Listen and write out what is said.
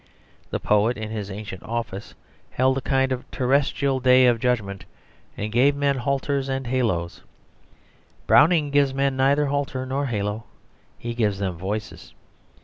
The poet in his ancient office held a kind of terrestrial day of judgment, and gave men halters and haloes; Browning gives men neither halter nor halo, he gives them voices.